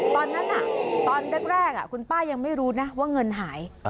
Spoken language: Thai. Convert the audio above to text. ตอนแรกตอนแรกคุณป้ายังไม่รู้นะว่าเงินหาย